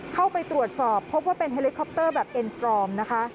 เข้าไปตรวจสอบพบว่าเป็นเฮลิคอปเตอร์แบบเอ็นสตรอมนะคะ